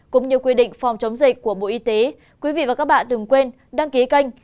cũng như quy định phòng chống dịch của bộ y tế quý vị và các bạn đừng quên đăng ký kênh